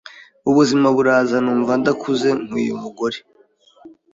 ubuzima buraza numva ndakuze nkwiye umugore